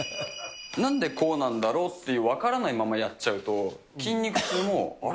なんでこうなんだろうって分からないままやっちゃうと、筋肉痛も、あれ？